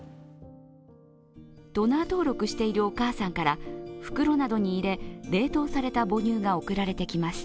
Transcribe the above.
ドナー登録しているお母さんから袋などに入れ冷凍された母乳が送られてきます。